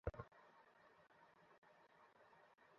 যদি হত্যা করেন, তাহলে একজন হত্যাকারীকেই হত্যা করলেন।